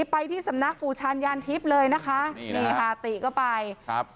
ไปที่สำนักปู่ชาญยานทิพย์เลยนะคะนี่ค่ะติก็ไปครับ